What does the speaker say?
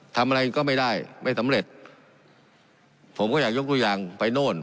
ทำอะไรก็ไม่ได้ไม่สำเร็จผมก็อยากยกตัวอย่างไปโน่น